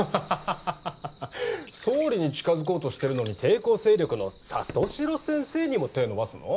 ハハハハ総理に近づこうとしてるのに抵抗勢力の里城先生にも手伸ばすの？